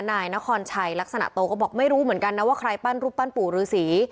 นายนครชัยลักษณะโตก็บอกไม่รู้เหมือนกันนะว่าใครปั้นรูปปั้นปู่ฤษี